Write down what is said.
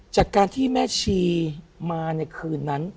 จากการที่แม่ชีมาในคืนนั้น